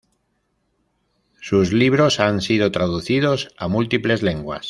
Sus libros han sido traducidos a múltiples lenguas.